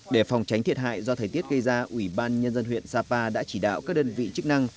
để phòng tránh thiệt hại do thời tiết gây ra ủy ban nhân dân huyện sapa đã chỉ đạo các đơn vị chức năng